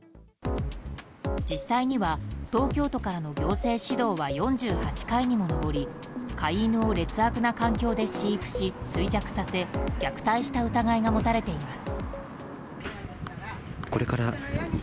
実際には東京都からの行政指導は４８回にも上り飼い犬を劣悪な環境で飼育し衰弱させ虐待した疑いが持たれています。